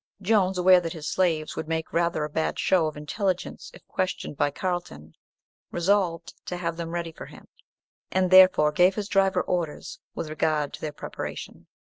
Jones, aware that his slaves would make rather a bad show of intelligence if questioned by Carlton, resolved to have them ready for him, and therefore gave his driver orders with regard to their preparation.